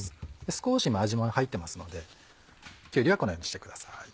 少し味も入ってますのできゅうりはこのようにしてください。